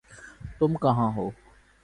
تم کہاں ہو؟